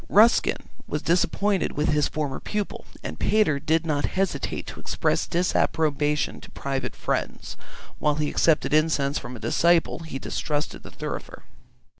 Ruskin was disappointed with his former pupil, and Pater did not hesitate to express disapprobation to private friends; while he accepted incense from a disciple, he distrusted the thurifer.